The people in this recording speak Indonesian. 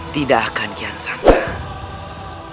tidak akan kian santai